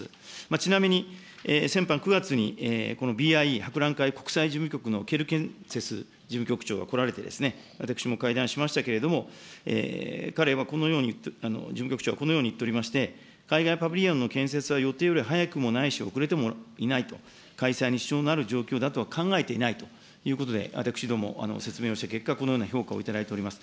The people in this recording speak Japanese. ちなみに、先般、９月にこのＢＩＥ博覧会国際事務局のケルケンツェス事務局長が来られて、私も会談しましたけれども、彼はこのように、事務局長はこのように言っておりまして、海外パビリオンの建設は予定より早くもないし遅れてもいないと、開催に支障がある状況だとは考えていないと私ども、説明をした結果、このような評価をいただいております。